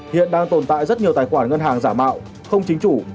hiện đang tồn tại rất nhiều tài khoản ngân hàng giả mạo không chính chủ